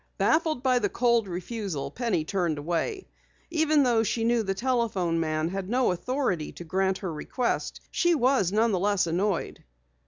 Baffled by the cold refusal, Penny turned away. Even though she knew the telephone man had no authority to grant her request, she was none the less annoyed.